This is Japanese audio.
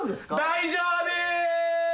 大丈夫ー！